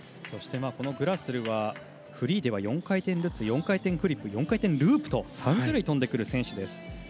そして、グラスルはフリーでは４回転ルッツ４回転フリップ、４回転ループと３種類、跳んでくる選手です。